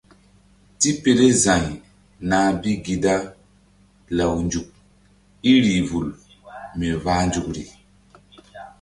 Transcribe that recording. Tipele za̧y nah bi gi da law nzuk í rih vul mi vah nzukri.